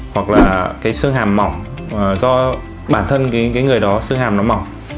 hoặc là cái xương hàm mỏng do bản thân cái người đó sư hàm nó mỏng